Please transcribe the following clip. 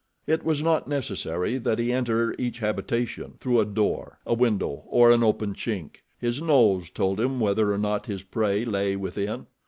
It was not necessary that he enter each habitation—through a door, a window or an open chink, his nose told him whether or not his prey lay within.